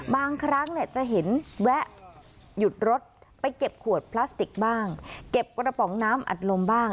บางครั้งเนี่ยจะเห็นแวะหยุดรถไปเก็บขวดพลาสติกบ้างเก็บกระป๋องน้ำอัดลมบ้าง